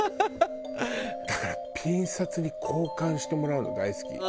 だからピン札に交換してもらうの大好き。